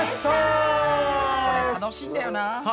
これ楽しいんだよな。